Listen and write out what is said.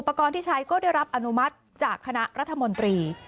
กรณ์ที่ใช้ก็ได้รับอนุมัติจากคณะรัฐมนตรี